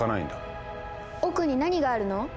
奥に何があるの？